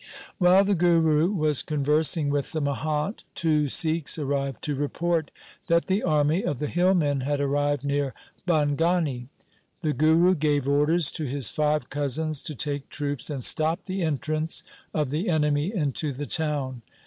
While the Guru was conversing with the mahant two Sikhs arrived to report that the army of the hillmen had arrived near Bhangani. The Guru gave orders to his five cousins to take troops and stop the entrance of the enemy into the town.